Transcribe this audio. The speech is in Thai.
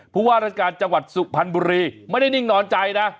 ผู้ว่าราชการจังหวัดสุพรรณบุรีไม่ได้นิ่งนอนใจนะ